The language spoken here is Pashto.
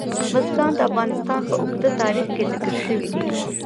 بزګان د افغانستان په اوږده تاریخ کې ذکر شوی دی.